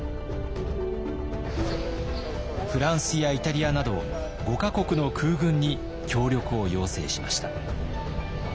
フランスやイタリアなど５か国の空軍に協力を要請しました。